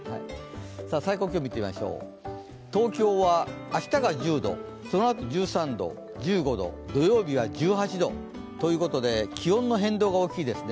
最高気温見てみましょう、東京は明日が１０度そのあと１３度、１５度、土曜日は１８度、ということで気温の変動が大きいですね。